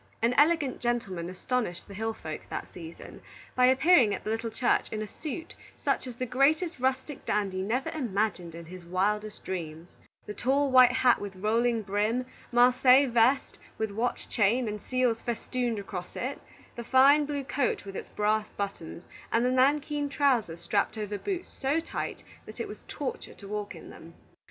An elegant gentleman astonished the hill folk that season, by appearing at the little church in a suit such as the greatest rustic dandy never imagined in his wildest dreams, the tall white hat with rolling brim, Marseilles vest with watch chain and seals festooned across it, the fine blue coat with its brass buttons, and the nankeen trousers strapped over boots so tight that it was torture to walk in them.